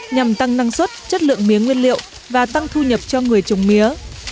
nhằm tăng năng suất chất lượng mía nguyên liệu và tăng thu nhập cho người trồng mía